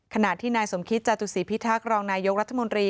ขณะที่นายสมคิดจตุษีพิทักรองนายกรรภ์รัชมนตรี